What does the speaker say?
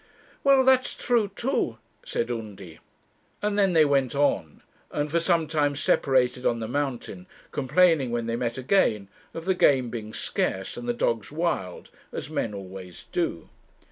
'Well, that's true, too,' said Undy; and then they went on, and for some time separated on the mountain, complaining, when they met again, of the game being scarce and the dogs wild, as men always do.